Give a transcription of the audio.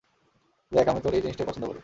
দেখ, আমি তোর এই জিনিসটাই পছন্দ করি।